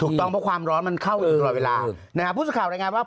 ถูกต้องเพราะความร้อนมันเข้าอยู่ตลอดเวลานะฮะผู้สื่อข่าวรายงานว่า